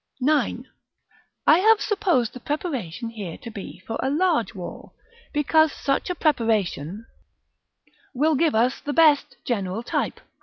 § IX. I have supposed the preparation here to be for a large wall, because such a preparation will give us the best general type.